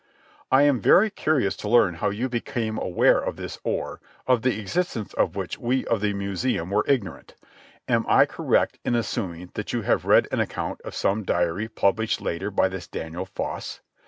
"I am very curious to learn how you became aware of this oar, of the existence of which we of the museum were ignorant. Am I correct in assuming that you have read an account in some diary published later by this Daniel Foss?